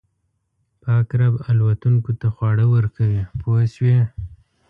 پاک رب الوتونکو ته خواړه ورکوي پوه شوې!.